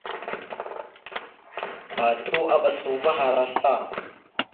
Patu aɓas uvah ara sla.